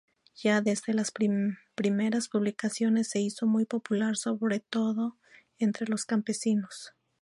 Ya desde las primeras publicaciones se hizo muy popular, sobre todo entre los campesinos.